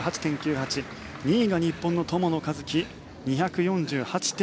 ２位が日本の友野一希２４８．７７。